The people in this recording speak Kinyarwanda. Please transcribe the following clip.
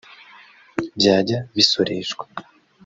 byajya bisoreshwa